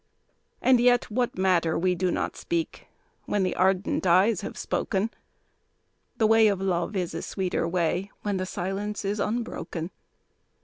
And yet what matter we do not speak, when the ardent eyes have spoken, The way of love is a sweeter way, when the silence is unbroken.